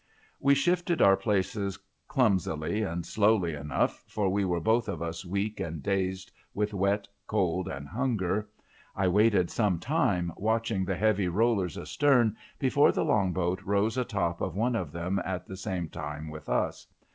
We shifted our places, clumsily and slowly enough, for we were both of us weak and dazed with wet, cold, and hunger. I waited some time, watching the heavy rollers astern, before the Long boat rose a top of one of them at the same time with us.